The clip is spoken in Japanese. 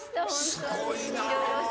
すごいなぁ。